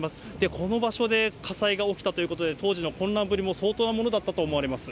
この場所で火災が起きたということで、当時の混乱ぶりも相当なものだったと思われます。